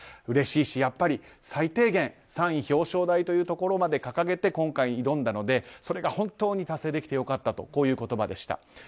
うれしいし、やっぱり最低限３位表彰台というところまで掲げて、今回挑んだのでそれが本当に達成できて良かったという言葉でした。